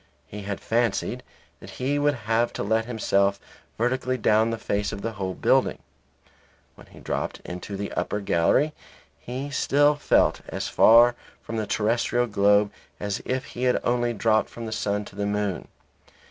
He had fancied that he would have to let himself vertically down the face of the whole building. When he dropped into the upper gallery he still felt as far from the terrestrial globe as if he had only dropped from the sun to the moon.